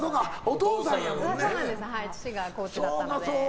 父がコーチだったので。